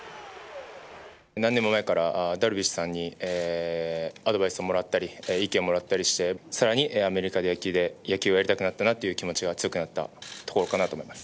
何年も前から、ダルビッシュさんにアドバイスをもらったり、意見をもらったりして、さらにアメリカで野球がやりたくなったなという気持ちが強くなったところかなと思います。